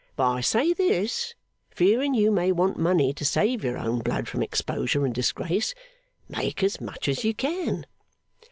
But I say this, fearing you may want money to save your own blood from exposure and disgrace make as much as you can!